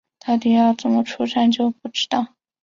到时候要怎么出站就不知道